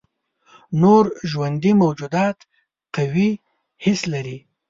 نور ژوندي موجودات قوي حس لري.